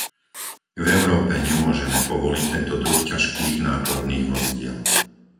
V Európe nemôžeme povoliť tento druh ťažkých nákladných vozidiel.